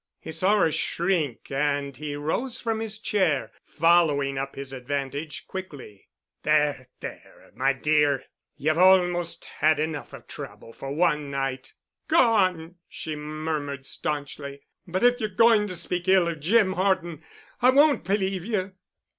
He saw her shrink and he rose from his chair, following up his advantage quickly. "There—there my dear, Ye've almost had enough of trouble for one night——" "Go on," she murmured stanchly, "but if you're going to speak ill of Jim Horton I won't believe you."